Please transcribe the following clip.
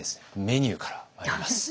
メニューからまいります。